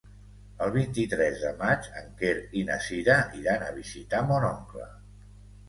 El vint-i-tres de maig en Quer i na Cira iran a visitar mon oncle.